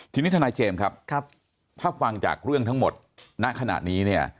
ทีนี้ทนายเจมส์ครับถ้าฟังจากเรื่องทั้งหมดณขณะนี้เนี่ย